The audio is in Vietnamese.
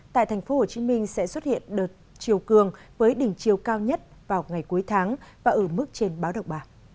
tại tp hcm sẽ xuất hiện đợt chiều cường với đỉnh chiều cao nhất vào ngày cuối tháng và ở mức trên báo động ba